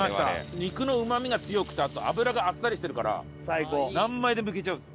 肉のうまみが強くてあと脂があっさりしてるから何枚でもいけちゃうんです。